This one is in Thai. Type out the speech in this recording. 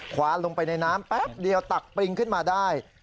วานลงไปในน้ำแป๊บเดียวตักปริงขึ้นมาได้